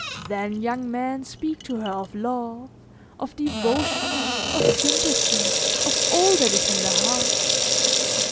Then young men speak to her of love, of devotion, of sympathy, of all that is in the heart.